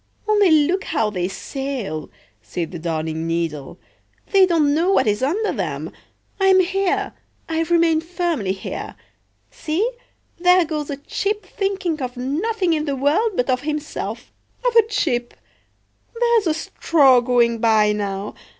"Only look how they sail!" said the Darning needle. "They don't know what is under them! I'm here, I remain firmly here. See, there goes a chip thinking of nothing in the world but of himself—of a chip! There's a straw going by now.